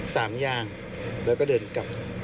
สามอย่างแล้วก็เดินกลับ